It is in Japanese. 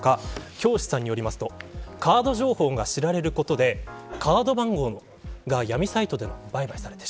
京師さんによるとカード情報が知られることでカード番号が闇サイトで売買される。